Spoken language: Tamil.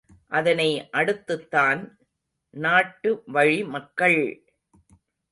அதனை அடுத்துத்தான் நாட்டுவழிமக்கள்!